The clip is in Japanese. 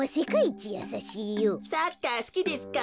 サッカーすきですか？